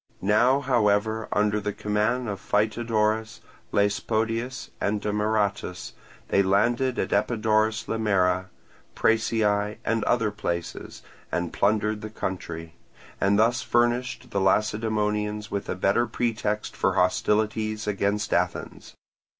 Now, however, under the command of Phytodorus, Laespodius, and Demaratus, they landed at Epidaurus Limera, Prasiae, and other places, and plundered the country; and thus furnished the Lacedaemonians with a better pretext for hostilities against Athens.